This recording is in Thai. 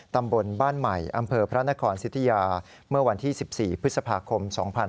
ตำบลบ้านใหม่อำเภอพระนครสิทธิยาเมื่อวันที่๑๔พฤษภาคม๒๕๕๙